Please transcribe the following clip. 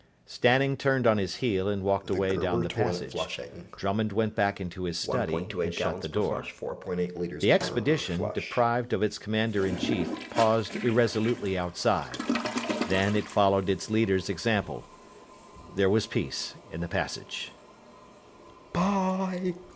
Stanning turned on his heel, and walked away down the passage. Drummond went back into his study, and shut the door. The expedition, deprived of its commander in chief, paused irresolutely outside. Then it followed its leader's example. There was peace in the passage.